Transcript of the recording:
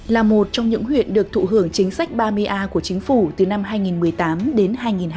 là một trong những huyện được thụ hưởng chính sách ba mươi a của chính phủ từ năm hai nghìn một mươi tám đến hai nghìn hai mươi